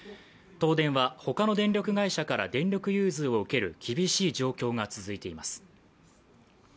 東電は他の電力会社から電力融通を受ける厳しい状況が続いています。